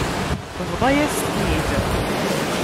Tebḍa-yas-ten-id.